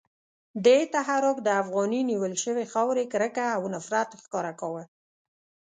دې تحریک د افغاني نیول شوې خاورې کرکه او نفرت ښکاره کاوه.